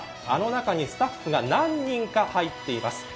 あの中にスタッフが何人か入っています。